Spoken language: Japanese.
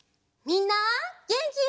みんなげんき？